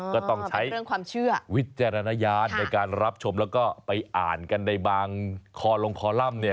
ก็ต้องใช้วิจารณญาณในการรับชมแล้วก็ไปอ่านกันในบางคอลงคอลัมน์